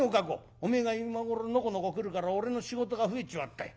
おめえが今頃のこのこ来るから俺の仕事が増えちまったよ。